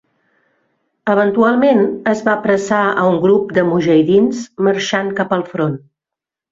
Eventualment es va apressar a un grup de "mujahidins" marxant cap al front.